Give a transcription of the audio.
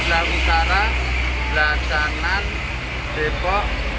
wilayah utara wilayah canan depok